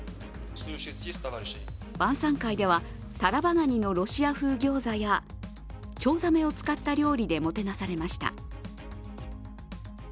晩さん会ではタラバガニのロシア風ギョーザやチョウザメを使った料理でもてなされました。